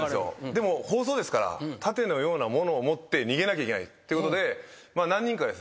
でも放送ですから盾のようなものを持って逃げなきゃいけないってことで何人かですね